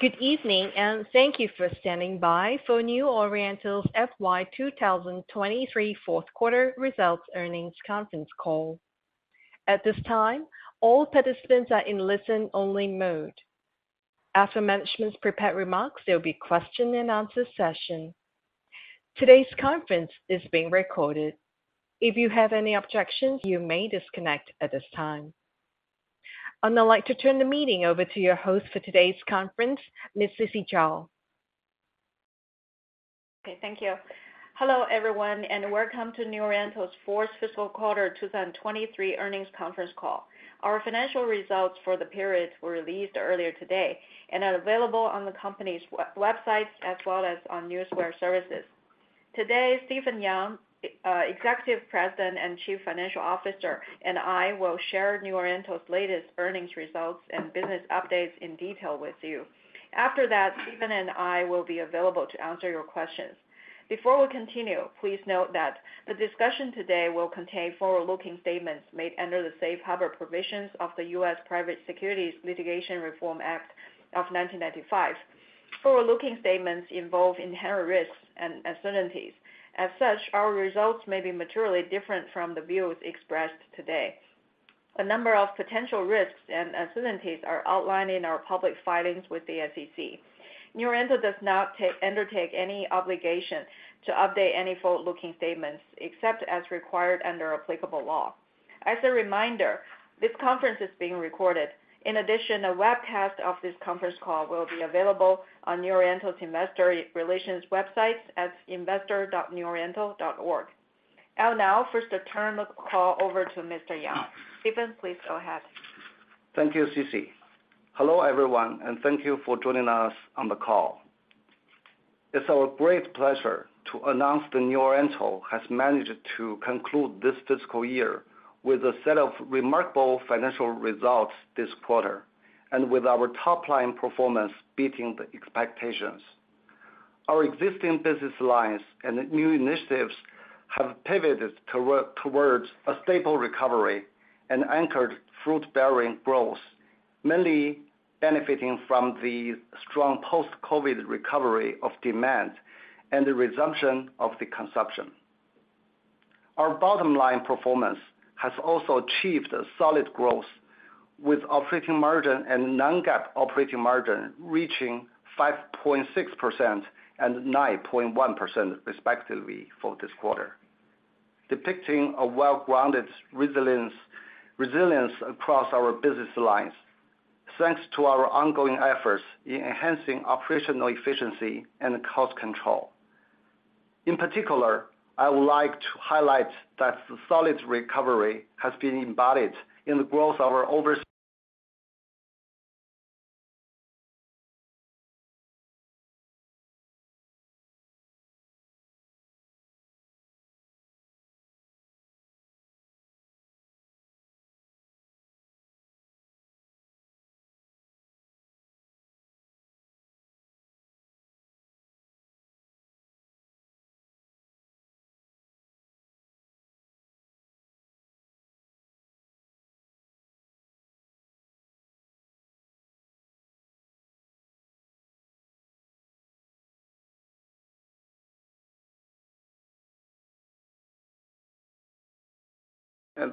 Good evening, thank you for standing by for New Oriental's FY 2023 fourth quarter results earnings conference call. At this time, all participants are in listen-only mode. After management's prepared remarks, there will be a question-and-answer session. Today's conference is being recorded. If you have any objections, you may disconnect at this time. I'd now like to turn the meeting over to your host for today's conference, Ms. Sisi Zhao. Okay, thank you. Hello, everyone, welcome to New Oriental's fourth fiscal quarter 2023 earnings conference call. Our financial results for the period were released earlier today and are available on the company's websites as well as on Newswire services. Today, Stephen Yang, Executive President and Chief Financial Officer, I will share New Oriental's latest earnings results and business updates in detail with you. After that, Stephen and I will be available to answer your questions. Before we continue, please note that the discussion today will contain forward-looking statements made under the safe harbor provisions of the U.S. Private Securities Litigation Reform Act of 1995. Forward-looking statements involve inherent risks and uncertainties. As such, our results may be materially different from the views expressed today. A number of potential risks and uncertainties are outlined in our public filings with the SEC. New Oriental does not undertake any obligation to update any forward-looking statements, except as required under applicable law. As a reminder, this conference is being recorded. In addition, a webcast of this conference call will be available on New Oriental's investor relations website at investor.neworiental.org. I'll now first return the call over to Mr. Yang. Stephen, please go ahead. Thank you, Sisi. Hello, everyone, and thank you for joining us on the call. It's our great pleasure to announce that New Oriental has managed to conclude this fiscal year with a set of remarkable financial results this quarter, and with our top-line performance beating the expectations. Our existing business lines and new initiatives have pivoted towards a stable recovery and anchored fruit-bearing growth, mainly benefiting from the strong post-COVID recovery of demand and the resumption of the consumption. Our bottom line performance has also achieved a solid growth, with operating margin and non-GAAP operating margin reaching 5.6% and 9.1% respectively for this quarter, depicting a well-grounded resilience across our business lines, thanks to our ongoing efforts in enhancing operational efficiency and cost control. In particular, I would like to highlight that the solid recovery has been embodied in the growth of our. Our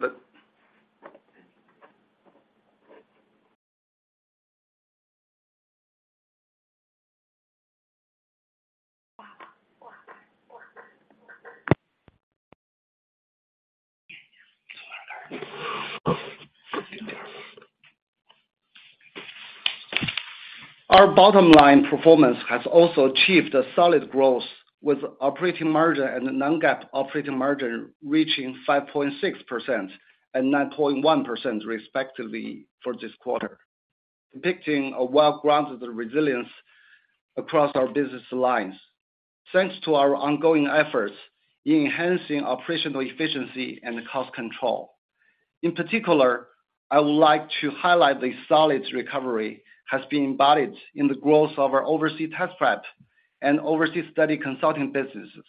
bottom line performance has also achieved a solid growth, with operating margin and non-GAAP operating margin reaching 5.6% and 9.1%, respectively, for this quarter, depicting a well-grounded resilience across our business lines. Thanks to our ongoing efforts in enhancing operational efficiency and cost control. In particular, I would like to highlight the solid recovery has been embodied in the growth of our overseas test prep and overseas study consulting businesses,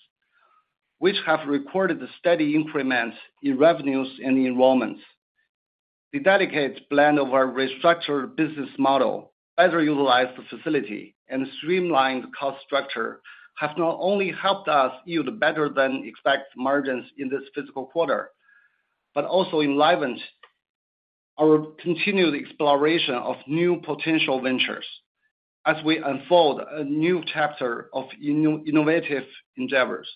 which have recorded a steady increments in revenues and enrollments. The dedicated plan of our restructured business model, better utilize the facility and streamlined cost structure, have not only helped us yield better-than-expected margins in this fiscal quarter, but also enlivened our continued exploration of new potential ventures as we unfold a new chapter of innovative endeavors.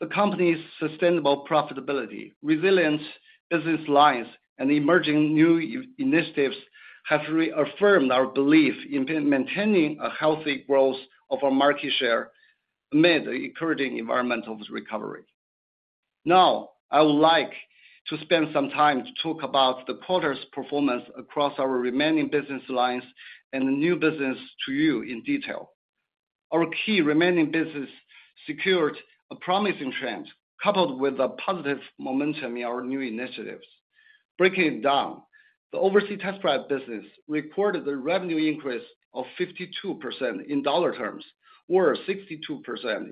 The company's sustainable profitability, resilient business lines, and emerging new initiatives have reaffirmed our belief in maintaining a healthy growth of our market share amid the recurring environmental recovery. I would like to spend some time to talk about the quarter's performance across our remaining business lines and the new business to you in detail. Our key remaining business secured a promising trend, coupled with a positive momentum in our new initiatives. Breaking it down, the overseas test prep business reported a revenue increase of 52% in dollar terms, or 62%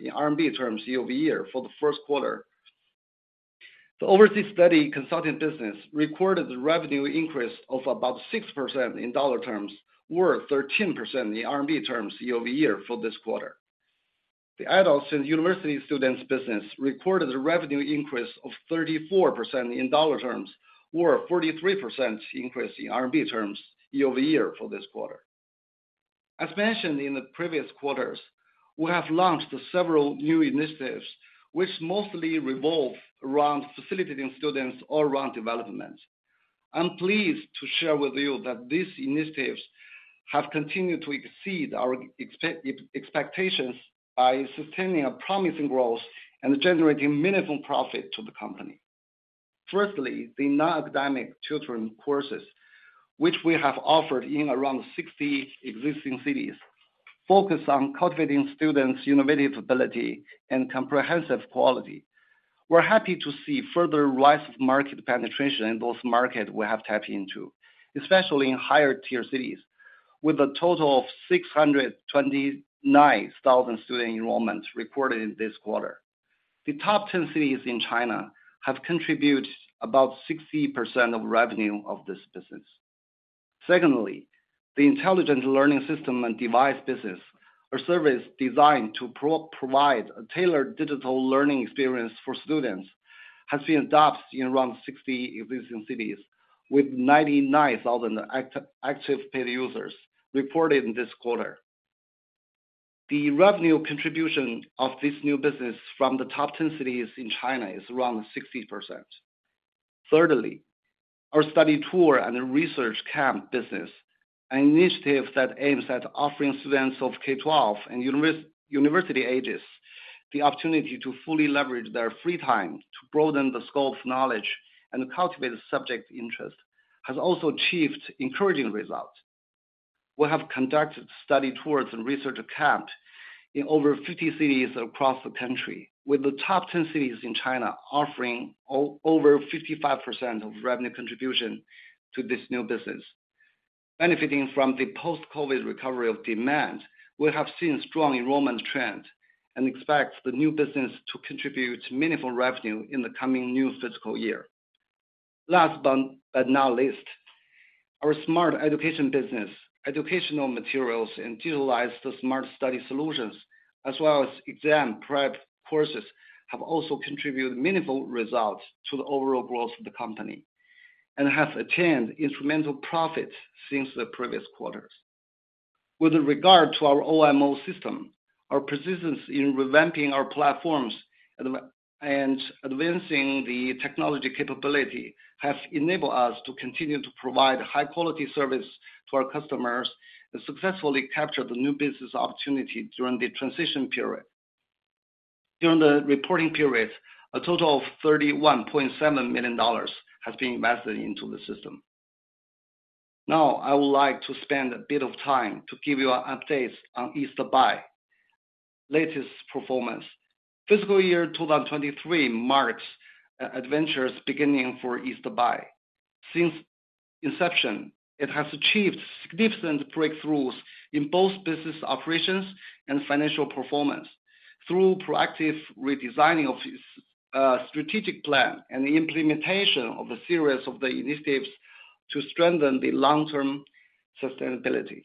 in RMB terms year-over-year for the first quarter. The overseas study consulting business recorded the revenue increase of about 6% in USD terms, or 13% in RMB terms year-over-year for this quarter. The adults and university students business recorded a revenue increase of 34% in dollars terms, or 43% increase in RMB terms year-over-year for this quarter. As mentioned in the previous quarters, we have launched several new initiatives, which mostly revolve around facilitating students' all-round development. I'm pleased to share with you that these initiatives have continued to exceed our expectations by sustaining a promising growth and generating meaningful profit to the company. Firstly, the non-academic children courses, which we have offered in around 60 existing cities, focus on cultivating students' innovative ability and comprehensive quality. We're happy to see further rise of market penetration in those markets we have tapped into, especially in higher-tier cities, with a total of 629,000 student enrollments recorded in this quarter. The top 10 cities in China have contributed about 60% of revenue of this business. Secondly, the intelligent learning system and device business, a service designed to provide a tailored digital learning experience for students, has been adopted in around 60 existing cities, with 99,000 active paid users reported in this quarter. The revenue contribution of this new business from the top 10 cities in China is around 60%. Thirdly, our study tour and research camp business, an initiative that aims at offering students of K-12 and university ages, the opportunity to fully leverage their free time to broaden the scope of knowledge and cultivate subject interest, has also achieved encouraging results. We have conducted study tours and research camp in over 50 cities across the country, with the top 10 cities in China offering over 55% of revenue contribution to this new business. Last but not least, our smart education business, educational materials, and utilize the smart study solutions, as well as exam prep courses, have also contributed meaningful results to the overall growth of the company, and have attained instrumental profits since the previous quarters. With regard to our OMO system, our persistence in revamping our platforms and advancing the technology capability has enabled us to continue to provide high-quality service to our customers and successfully capture the new business opportunity during the transition period. During the reporting period, a total of $31.7 million has been invested into the system. I would like to spend a bit of time to give you an update on East Buy latest performance. Fiscal year 2023 marks an adventurous beginning for East Buy. Since inception, it has achieved significant breakthroughs in both business operations and financial performance through proactive redesigning of its strategic plan and the implementation of a series of the initiatives to strengthen the long-term sustainability.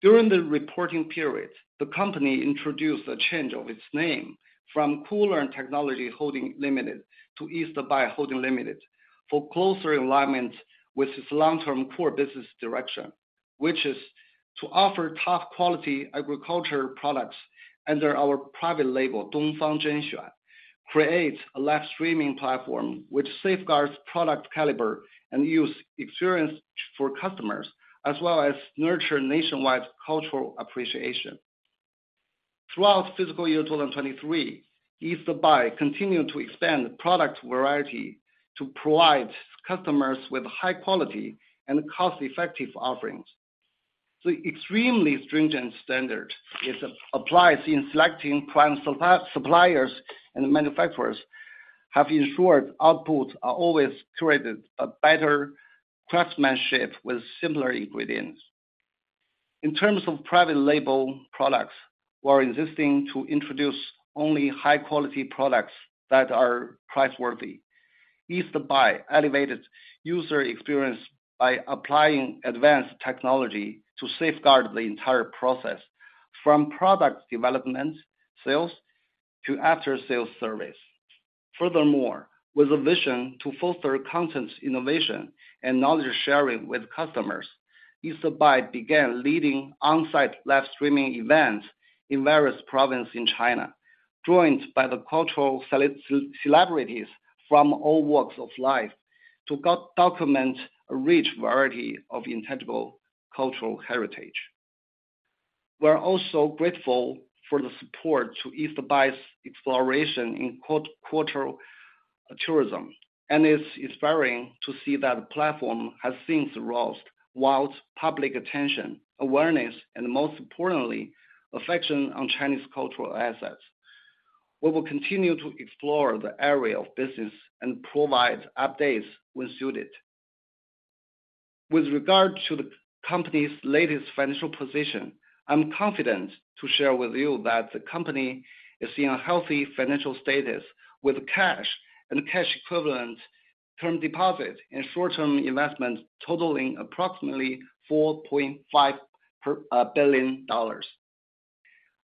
During the reporting period, the company introduced a change of its name from Koolearn Technology Holding Limited to East Buy Holding Limited, for closer alignment with its long-term core business direction, which is to offer top-quality agriculture products under our private label, Dongfang Zhenxuan, create a live streaming platform which safeguards product caliber and use experience for customers, as well as nurture nationwide cultural appreciation. Throughout fiscal year 2023, East Buy continued to expand product variety to provide customers with high quality and cost-effective offerings. The extremely stringent standard is applies in selecting prime suppliers and manufacturers, have ensured outputs are always created a better craftsmanship with similar ingredients. In terms of private label products, we are insisting to introduce only high-quality products that are price-worthy. East Buy elevated user experience by applying advanced technology to safeguard the entire process, from product development, sales, to after-sales service. Furthermore, with a vision to foster content innovation and knowledge sharing with customers, East Buy began leading on-site live streaming events in various provinces in China, joined by the cultural celebrities from all walks of life to document a rich variety of intangible cultural heritage. We are also grateful for the support to East Buy's exploration in cultural tourism, and it's inspiring to see that the platform has since roused world's public attention, awareness, and most importantly, affection on Chinese cultural assets. We will continue to explore the area of business and provide updates when suited. With regard to the company's latest financial position, I'm confident to share with you that the company is in a healthy financial status, with cash and cash equivalent, term deposit, and short-term investments totaling approximately $4.5 billion.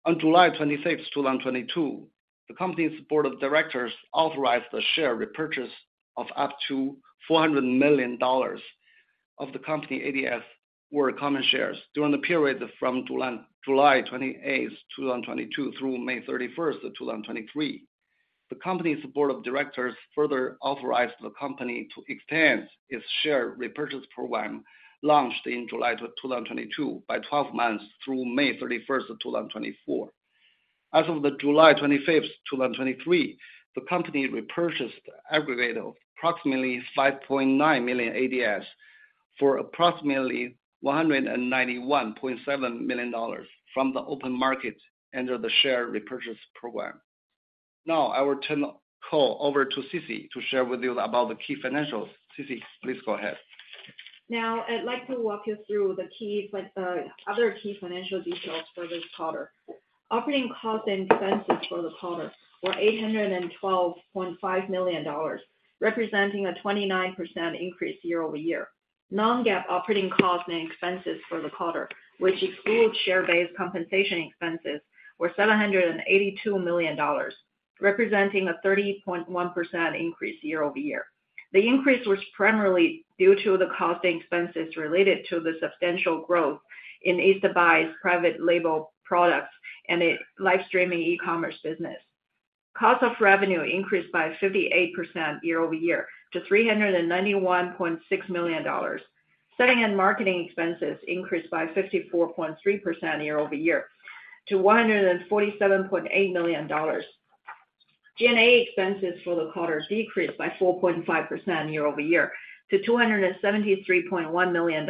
On July 26th, 2022, the company's board of directors authorized the share repurchase of up to $400 million of the company ADS or common shares during the period from July 28th, 2022 through May 31st, 2023. The company's board of directors further authorized the company to extend its share repurchase program, launched in July of 2022, by 12 months through May 31st, 2024. As of July 25th, 2023, the company repurchased an aggregate of approximately 5.9 million ADS for approximately $191.7 million from the open market under the share repurchase program. Now, I will turn the call over to Sisi to share with you about the key financials. Sisi, please go ahead. I'd like to walk you through the key, but other key financial details for this quarter. operating costs and expenses for the quarter were $812.5 million, representing a 29% increase year-over-year. non-GAAP operating costs and expenses for the quarter, which exclude share-based compensation expenses, were $782 million, representing a 30.1% increase year-over-year. The increase was primarily due to the cost and expenses related to the substantial growth in East Buy's private label products and its live streaming e-commerce business. Cost of revenue increased by 58% year-over-year to $391.6 million. Selling and marketing expenses increased by 54.3% year-over-year to $147.8 million. G&A expenses for the quarter decreased by 4.5% year-over-year to $273.1 million.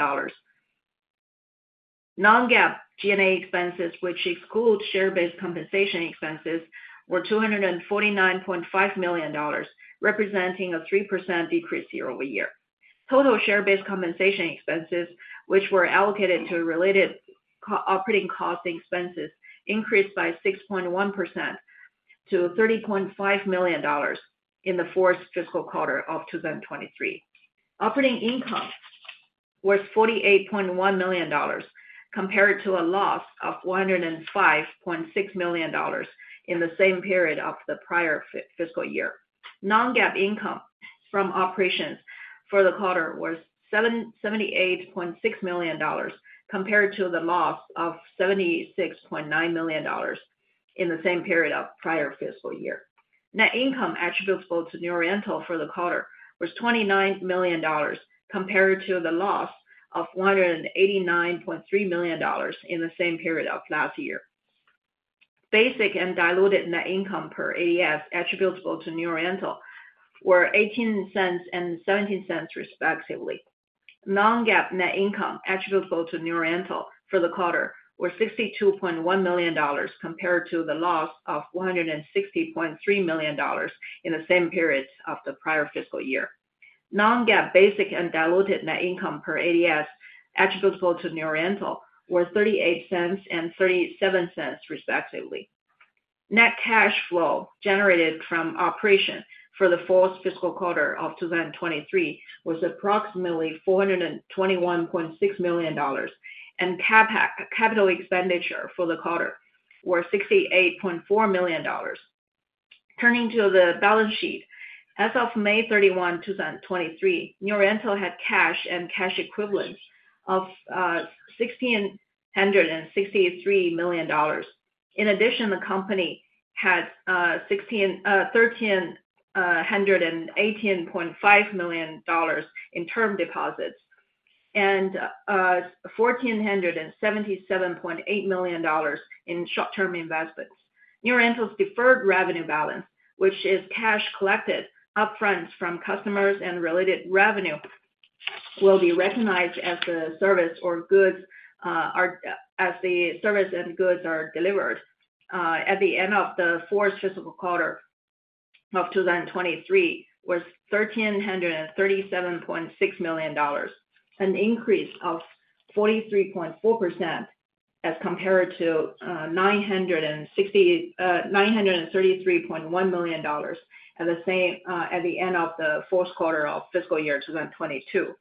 Non-GAAP G&A expenses, which exclude share-based compensation expenses, were $249.5 million, representing a 3% decrease year-over-year. Total share-based compensation expenses, which were allocated to related co-operating costs and expenses, increased by 6.1% to $30.5 million in the fourth fiscal quarter of 2023. Operating income was $48.1 million, compared to a loss of $105.6 million in the same period of the prior fiscal year. Non-GAAP income from operations for the quarter was $78.6 million, compared to the loss of $76.9 million in the same period of prior fiscal year. Net income attributable to New Oriental for the quarter was $29 million, compared to the loss of $189.3 million in the same period of last year. Basic and diluted net income per ADS attributable to New Oriental were $0.18 and $0.17, respectively. Non-GAAP net income attributable to New Oriental for the quarter were $62.1 million, compared to the loss of $160.3 million in the same periods of the prior fiscal year. Non-GAAP basic and diluted net income per ADS attributable to New Oriental were $0.38 and $0.37, respectively. Net cash flow generated from operation for the fourth fiscal quarter of 2023 was approximately $421.6 million, and CAPEX, capital expenditure for the quarter, were $68.4 million. Turning to the balance sheet. As of May 31, 2023, New Oriental had cash and cash equivalents of $1663 million. In addition, the company had $1318.5 million in term deposits and $1477.8 million in short-term investments. New Oriental's deferred revenue balance, which is cash collected upfront from customers and related revenue, will be recognized as the service or goods, as the service and goods are delivered, at the end of the fourth fiscal quarter of 2023, was $1337.6 million, an increase of 43.4% as compared to $933.1 million at the same, at the end of the fourth quarter of fiscal year 2022.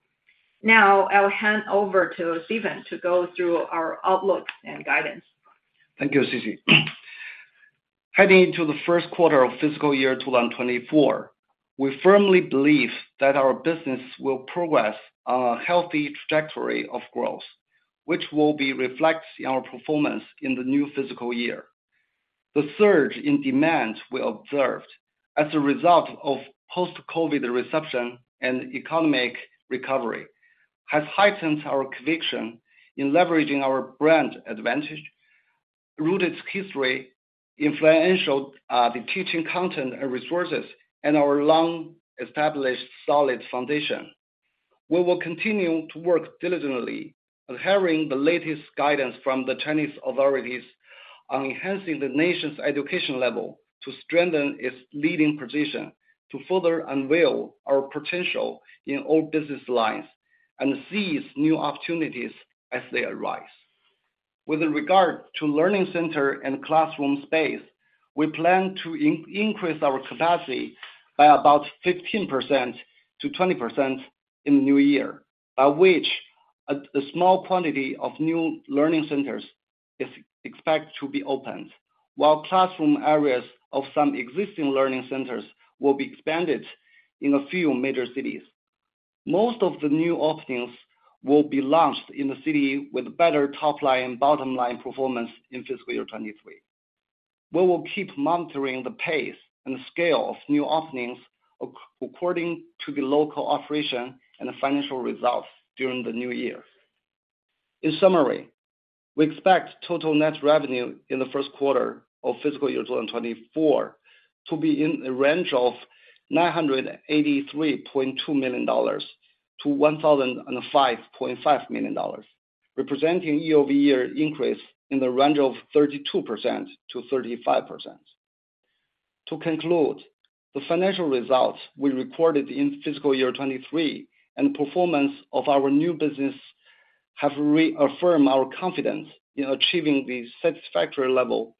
Now, I'll hand over to Stephen to go through our outlook and guidance. Thank you, Sisi. Heading into the first quarter of fiscal year 2024, we firmly believe that our business will progress on a healthy trajectory of growth, which will be reflected in our performance in the new fiscal year. The surge in demand we observed as a result of post-COVID reception and economic recovery, has heightened our conviction in leveraging our brand advantage, rooted history, influential, the teaching content and resources, and our long-established solid foundation. We will continue to work diligently adhering the latest guidance from the Chinese authorities on enhancing the nation's education level to strengthen its leading position, to further unveil our potential in all business lines, and seize new opportunities as they arise. With regard to learning center and classroom space, we plan to increase our capacity by about 15%-20% in the new year, by which a small quantity of new learning centers is expected to be opened, while classroom areas of some existing learning centers will be expanded in a few major cities. Most of the new openings will be launched in the city with better top line and bottom line performance in fiscal year 2023. We will keep monitoring the pace and scale of new openings according to the local operation and financial results during the new year. In summary, we expect total net revenue in the first quarter of fiscal year 2024 to be in the range of $983.2 million-$1,005.5 million, representing year-over-year increase in the range of 32%-35%. To conclude, the financial results we recorded in fiscal year 2023, and performance of our new business, have reaffirmed our confidence in achieving the satisfactory level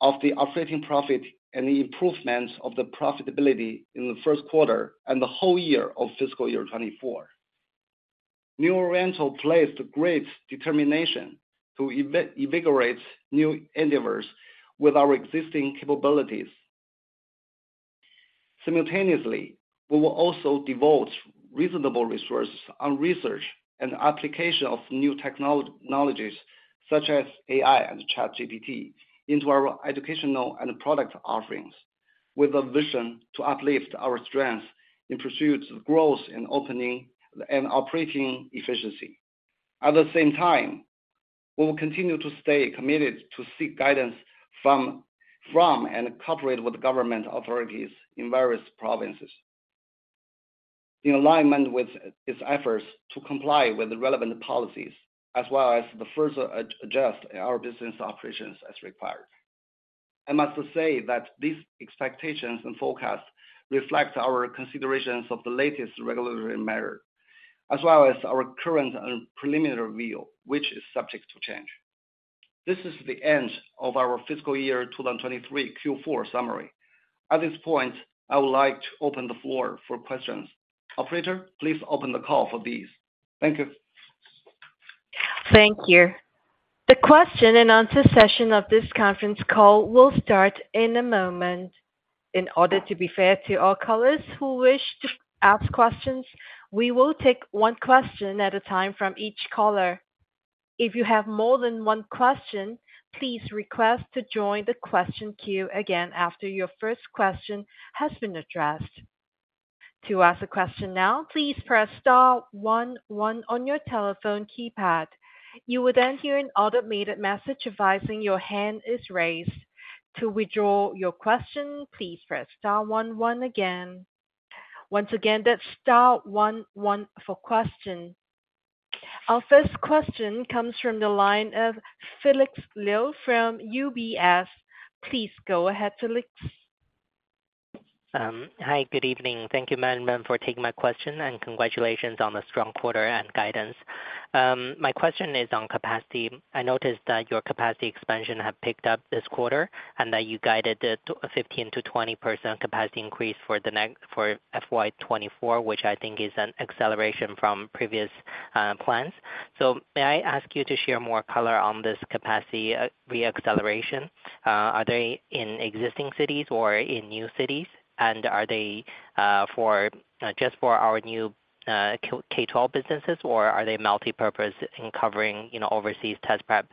of the operating profit and the improvement of the profitability in the first quarter and the whole year of fiscal year 2024. New Oriental placed great determination to invigorate new endeavors with our existing capabilities. Simultaneously, we will also devote reasonable resources on research and application of new technologies such as AI and ChatGPT into our educational and product offerings, with a vision to uplift our strength in pursuit of growth in opening and operating efficiency. At the same time, we will continue to stay committed to seek guidance from and cooperate with government authorities in various provinces, in alignment with its efforts to comply with the relevant policies, as well as to further adjust our business operations as required. I must say that these expectations and forecasts reflect our considerations of the latest regulatory matter, as well as our current and preliminary view, which is subject to change. This is the end of our fiscal year 2023 Q4 summary. At this point, I would like to open the floor for questions. Operator, please open the call for these. Thank you. Thank you. The question and answer session of this conference call will start in a moment. In order to be fair to all callers who wish to ask questions, we will take one question at a time from each caller. If you have more than one question, please request to join the question queue again after your first question has been addressed. To ask a question now, please press star one one on your telephone keypad. You will then hear an automated message advising your hand is raised. To withdraw your question, please press star one one again. Once again, that's star one one for question. Our first question comes from the line of Felix Liu from UBS. Please go ahead, Felix. Hi, good evening. Thank you, management, for taking my question, and congratulations on the strong quarter and guidance. My question is on capacity. I noticed that your capacity expansion have picked up this quarter, and that you guided the 15%-20% capacity increase for FY 2024, which I think is an acceleration from previous plans. May I ask you to share more color on this capacity re-acceleration? Are they in existing cities or in new cities? Are they for just for our new K-12 businesses, or are they multipurpose in covering, you know, overseas test prep?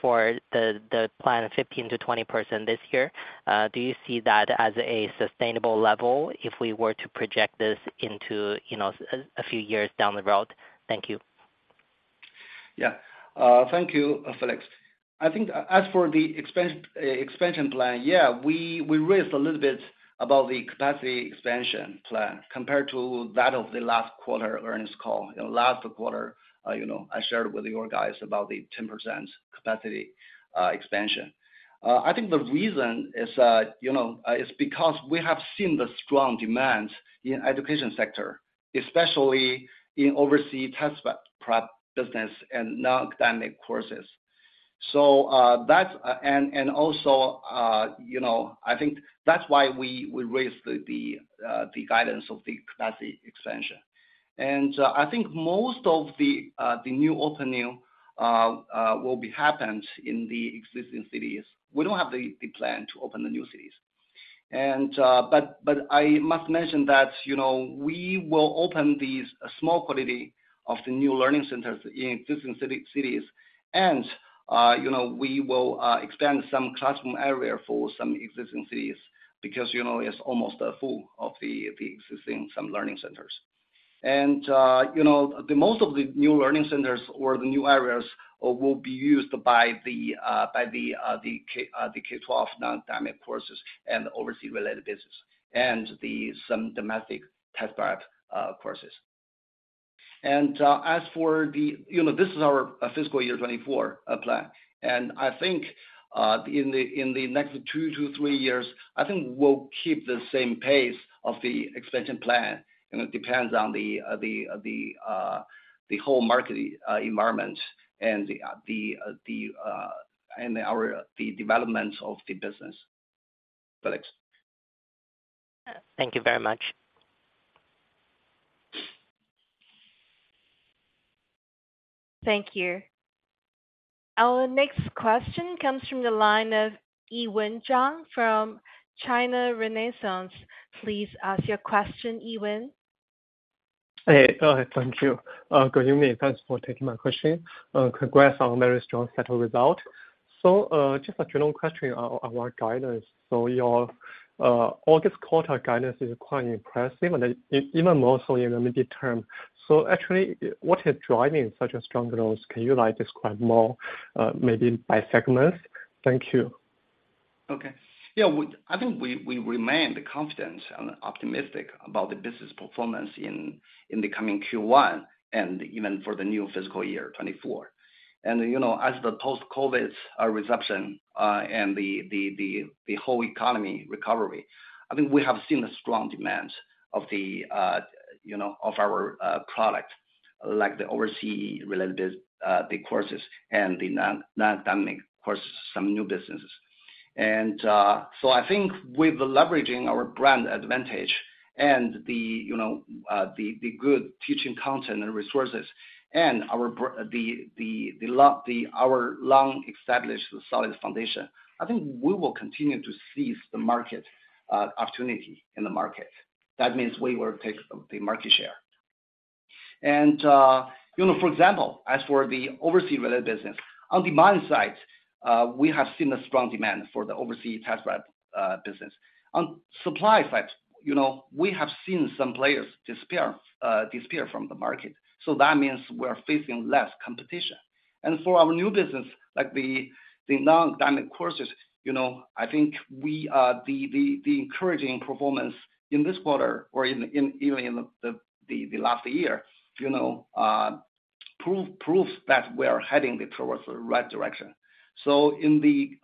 For the plan of 15%-20% this year, do you see that as a sustainable level if we were to project this into, you know, a few years down the road? Thank you. Yeah. Thank you, Felix. I think as for the expansion plan, yeah, we raised a little bit about the capacity expansion plan compared to that of the last quarter earnings call. In the last quarter, you know, I shared with you guys about the 10% capacity, expansion. I think the reason is, you know, is because we have seen the strong demand in education sector, especially in overseas test prep business and non-academic courses. Also, you know, I think that's why we raised the guidance of the capacity expansion. I think most of the new opening will be happened in the existing cities. We don't have the plan to open the new cities. But I must mention that, you know, we will open these small quality of the new learning centers in existing cities. You know, we will expand some classroom area for some existing cities, because, you know, it's almost full of the existing some learning centers. You know, the most of the new learning centers or the new areas will be used by the K-12 non-academic courses and overseas related business, and some domestic test prep courses. As for the, you know, this is our fiscal year 2024 plan, and I think in the next two to three years, I think we'll keep the same pace of the expansion plan, and it depends on the whole market environment and our the developments of the business. Felix? Thank you very much. Thank you. Our next question comes from the line of Yiwen Zhang from China Renaissance. Please ask your question, Yiwen. Hey, thank you. Good evening. Thanks for taking my question. Congrats on a very strong set of results. Just a general question on our guidance. Your August quarter guidance is quite impressive, and even more so in the immediate term. Actually, what is driving such a strong growth? Can you like describe more, maybe by segments? Thank you. Okay. Yeah, we, I think we remain confident and optimistic about the business performance in the coming Q1 and even for the new fiscal year, 2024. You know, as the post-COVID reception and the whole economy recovery, I think we have seen a strong demand of the, you know, of our product, like the oversea-related courses and the non-academic courses, some new businesses. So I think with leveraging our brand advantage and the, you know, the good teaching content and resources and our long-established solid foundation, I think we will continue to seize the market opportunity in the market. That means we will take the market share. You know, for example, as for the overseas-related business, on demand side, we have seen a strong demand for the overseas test prep business. On supply side, you know, we have seen some players disappear from the market, so that means we're facing less competition. For our new business, like the non-academic courses, you know, I think we, the encouraging performance in this quarter or in even in the last year, you know, proves that we're heading towards the right direction. In the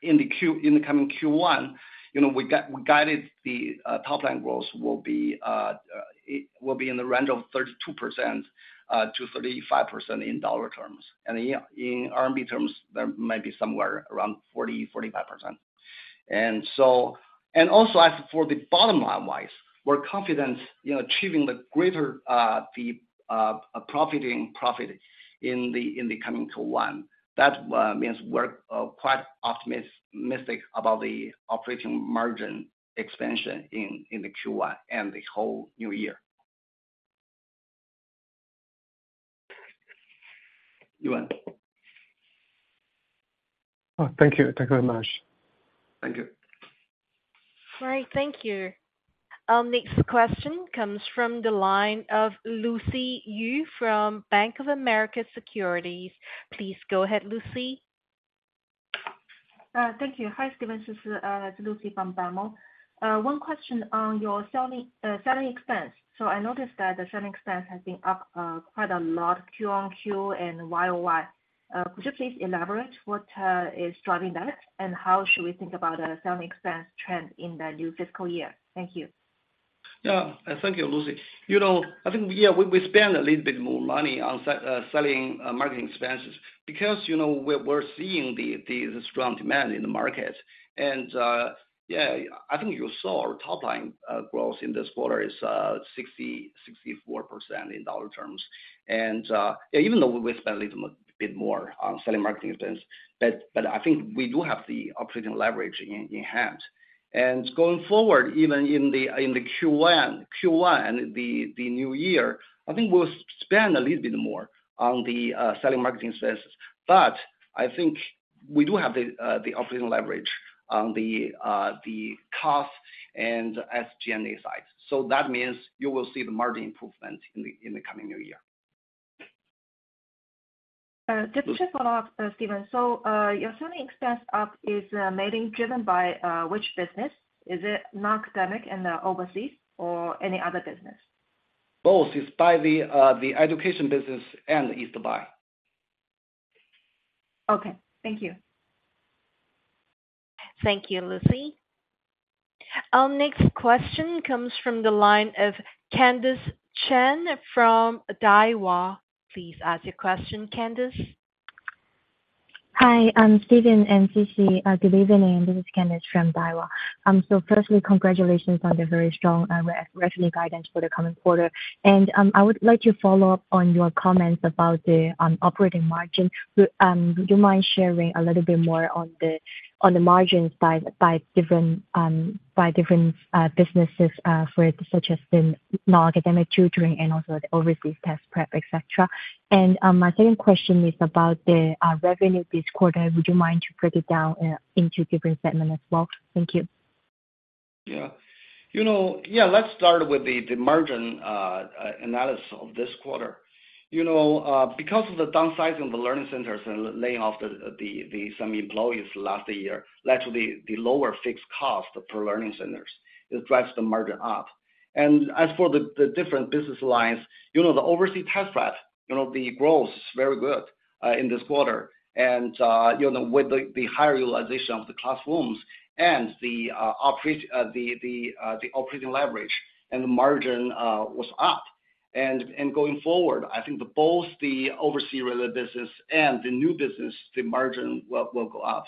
coming Q1, you know, we guided the top line growth will be, it will be in the range of 32%-35% in dollar terms. Yeah, in RMB terms, that might be somewhere around 40%-45%. Also, as for the bottom line-wise, we're confident, you know, achieving the greater, the profit in the coming Q1. That means we're quite optimistic about the operating margin expansion in the Q1 and the whole new year. Yiwen? Thank you. Thank you very much. Thank you. All right, thank you. Our next question comes from the line of Lucy Yu from Bank of America Securities. Please go ahead, Lucy. Thank you. Hi, Stephen. This is Lucy from Bank of America. One question on your selling expense. I noticed that the selling expense has been up quite a lot Q on Q and Y on Y. Could you please elaborate what is driving that? How should we think about selling expense trend in the new fiscal year? Thank you. Yeah. Thank you, Lucy. You know, I think we spend a little bit more money on selling marketing expenses because, you know, we're seeing the strong demand in the market. Yeah, I think you saw our top line growth in this quarter is 64% in dollar terms. Even though we spend a little bit more on selling marketing expense, but I think we do have the operating leverage in hand. Going forward, even in the Q1, the new year, I think we'll spend a little bit more on the selling marketing expenses, but I think we do have the operating leverage on the cost and SG&A side. That means you will see the margin improvement in the coming new year. Just to follow up, Stephen, so, your selling expense up is mainly driven by which business? Is it non-academic and the overseas or any other business? Both, it's by the education business and East Buy. Okay, thank you. Thank you, Lucy. Our next question comes from the line of Candis Chan from Daiwa. Please ask your question, Candis. Hi, Stephen and Sisi. Good evening, this is Candis from Daiwa. Firstly, congratulations on the very strong revenue guidance for the coming quarter. I would like to follow up on your comments about the operating margin. Would you mind sharing a little bit more on the margin side by different businesses, such as the non-academic tutoring and also the overseas test prep, et cetera? My second question is about the revenue this quarter. Would you mind to break it down into different segments as well? Thank you. Yeah. You know, yeah, let's start with the margin analysis of this quarter. You know, because of the downsizing of the learning centers and laying off some employees last year, led to the lower fixed cost per learning centers. It drives the margin up. As for the different business lines, you know, the overseas test prep, you know, the growth is very good in this quarter. You know, with the higher utilization of the classrooms and the operating leverage and the margin was up. Going forward, I think that both the overseas related business and the new business, the margin will go up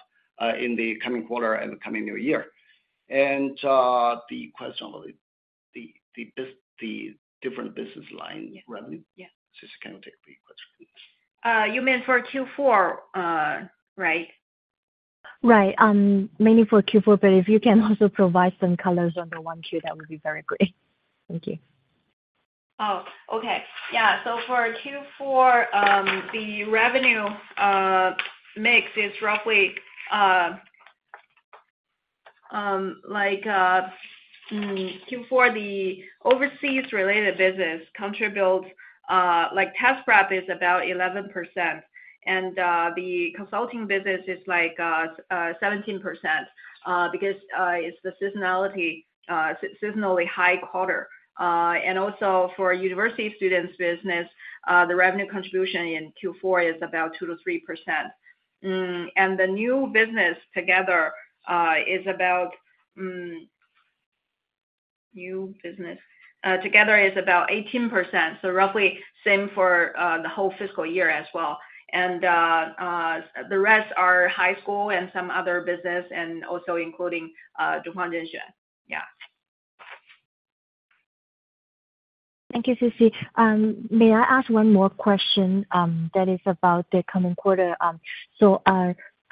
in the coming quarter and the coming new year. The question on the different business line revenue? Yeah. Sisi, can you take the question, please? You mean for Q4, right? Right, mainly for Q4, but if you can also provide some colors on the 1Q, that would be very great. Thank you. For Q4, the revenue mix is roughly like Q4, the overseas related business contributes like test prep is about 11%, the consulting business is 17%, because it's the seasonality, seasonally high quarter. For university students business, the revenue contribution in Q4 is about 2%-3%. The new business together is about 18%, roughly same for the whole fiscal year as well. The rest are high school and some other business, and also including Dongfang Zhenxuan. Thank you, Sisi. May I ask one more question that is about the coming quarter?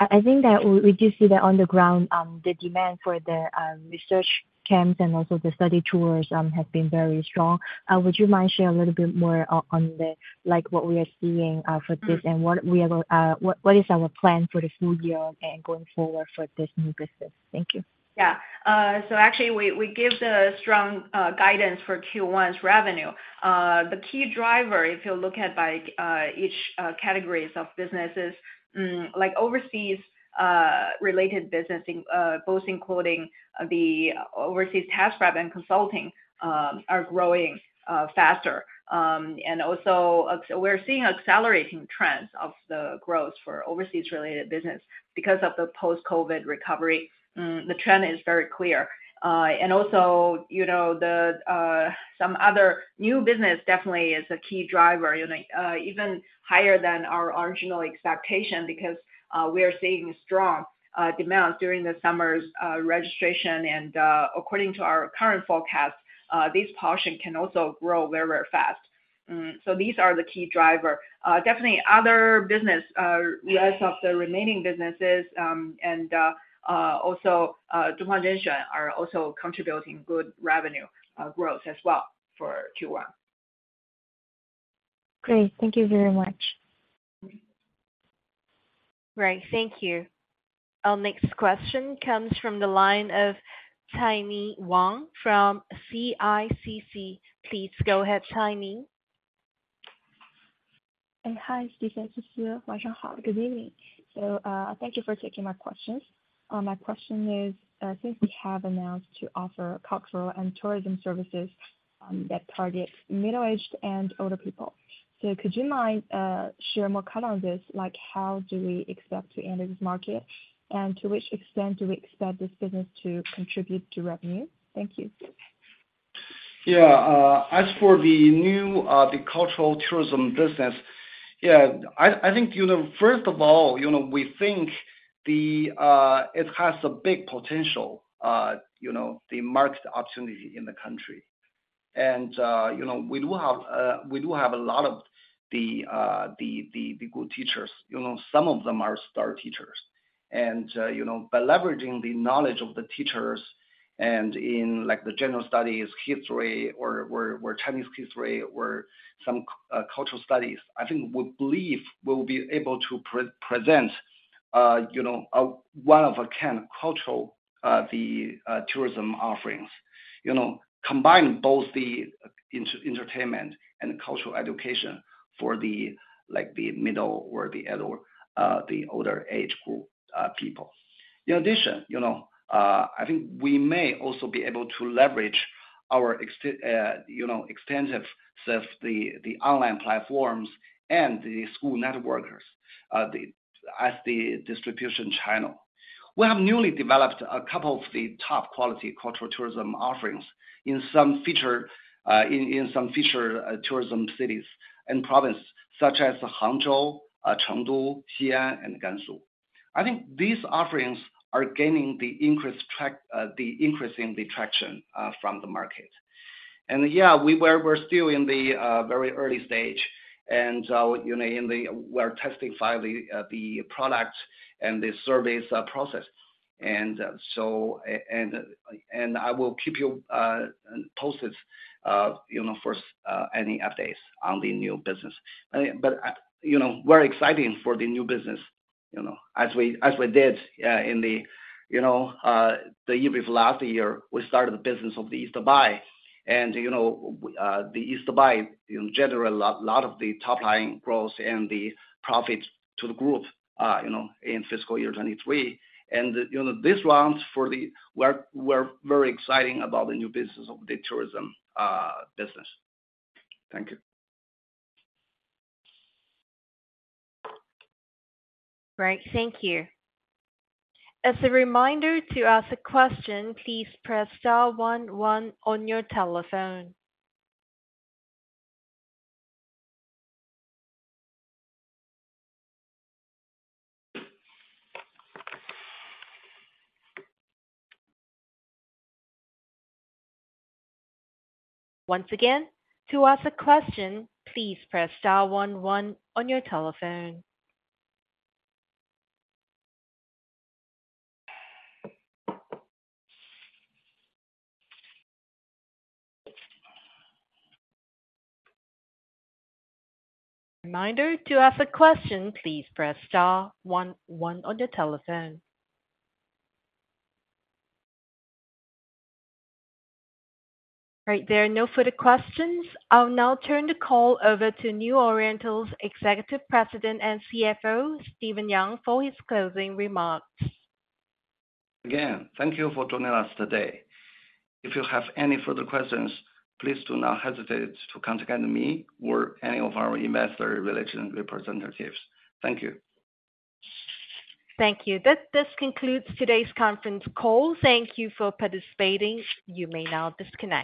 I think that we do see that on the ground, the demand for the research camps and also the study tours have been very strong. Would you mind share a little bit more on the, like, what we are seeing for this, and what is our plan for the full year and going forward for this new business? Thank you. Yeah. Actually we give the strong guidance for Q1 revenue. The key driver, if you look at by each categories of businesses, like overseas related business, in both including the overseas test prep and consulting, are growing faster. Also, we're seeing accelerating trends of the growth for overseas related business because of the post-COVID recovery. The trend is very clear. Also, you know, the some other new business definitely is a key driver, you know, even higher than our original expectation, because we are seeing strong demand during the summer's registration. According to our current forecast, this portion can also grow very, very fast. These are the key driver. Definitely other business, rest of the remaining businesses, and also Dongfang Zhenxuan are also contributing good revenue, growth as well for Q1. Great. Thank you very much. Right. Thank you. Our next question comes from the line of Tony Wang from CICC. Please go ahead, Tony. Hi, Sisi and Stephen, good evening. Thank you for taking my questions. My question is, since we have announced to offer cultural and tourism services that target middle-aged and older people, could you mind share more color on this? Like, how do we expect to enter this market, and to which extent do we expect this business to contribute to revenue? Thank you. Yeah, as for the new, the cultural tourism business, yeah, I think, you know, first of all, you know, we think it has a big potential, you know, the market opportunity in the country. We do have, we do have a lot of the good teachers. You know, some of them are star teachers. By leveraging the knowledge of the teachers and in, like, the general studies, history or Chinese history or some cultural studies, I think we believe we'll be able to present, you know, a one of a kind cultural, the tourism offerings. You know, combine both entertainment and cultural education for the, like, the middle or the elder, the older age group, people. In addition, you know, I think we may also be able to leverage our extensive, the online platforms and the school networkers, as the distribution channel. We have newly developed a couple of the top quality cultural tourism offerings in some feature, in some feature tourism cities and provinces such as Hangzhou, Chengdu, Xian and Gansu. I think these offerings are gaining the increasing traction from the market. Yeah, we're still in the very early stage, and, you know, We're testing file the product and the service process. So I will keep you posted, you know, for any updates on the new business. I mean, I, you know, we're exciting for the new business, you know, as we did in the, you know, the year before last year, we started the business of East Buy. You know, East Buy, in general, a lot of the top line growth and the profits to the group, you know, in fiscal year 2023. You know, we're very exciting about the new business of the tourism business. Thank you. Right. Thank you. As a reminder, to ask a question, please press star one one on your telephone. Once again, to ask a question, please press star one one on your telephone. Reminder, to ask a question, please press star one one on your telephone. All right, there are no further questions. I'll now turn the call over to New Oriental's Executive President and CFO, Stephen Yang, for his closing remarks. Again, thank you for joining us today. If you have any further questions, please do not hesitate to contact me or any of our investor relations representatives. Thank you. Thank you. This concludes today's conference call. Thank you for participating. You may now disconnect.